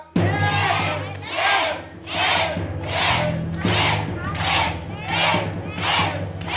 เล่น